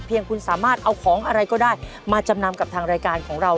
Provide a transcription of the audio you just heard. คุณสามารถเอาของอะไรก็ได้มาจำนำกับทางรายการของเรา